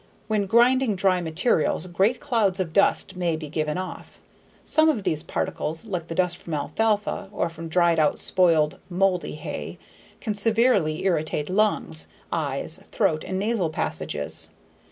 When grinding dry materials, great clouds of dust may be given off. Some of these particles, like the dust from alfalfa or from dried out spoiled (moldy) hay, can severely irritate lungs, eyes, throat and nasal passages.